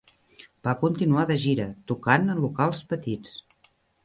Va continuar de gira, tocant en locals petits.